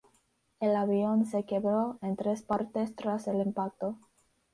El avión se quebró en tres partes tras el impacto.